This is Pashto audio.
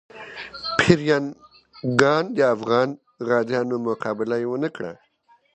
پرنګیان د افغان غازیانو مقابله ونه کړه.